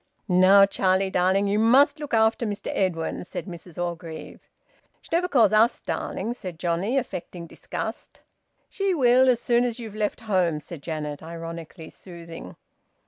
"Now, Charlie darling, you must look after Mr Edwin," said Mrs Orgreave. "She never calls us darling," said Johnnie, affecting disgust. "She will, as soon as you've left home," said Janet, ironically soothing.